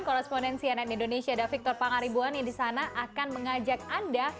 korespondensi ann indonesia davictor pangaribuan yang di sana akan mengajak anda